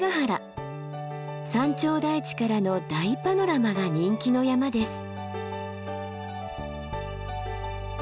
山頂台地からの大パノラマが人気の山です。